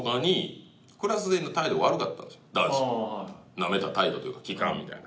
なめた態度というか聞かんみたいな。